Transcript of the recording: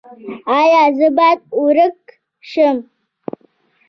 ایا زه باید ورک شم؟